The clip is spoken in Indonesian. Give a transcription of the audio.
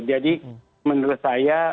jadi menurut saya